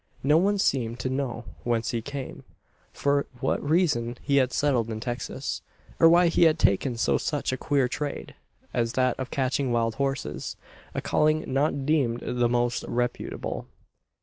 No one seemed to know whence he came; for what reason he had settled in Texas; or why he had taken to such a queer "trade," as that of catching wild horses a calling not deemed the most reputable.